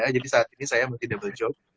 jadi saat ini saya mesti double job